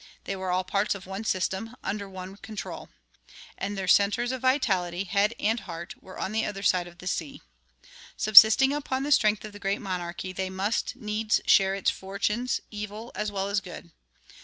They were all parts of one system, under one control. And their centers of vitality, head and heart, were on the other side of the sea. Subsisting upon the strength of the great monarchy, they must needs share its fortunes, evil as well as good.